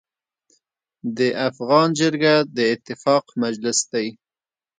د افغان جرګه د اتفاق مجلس دی.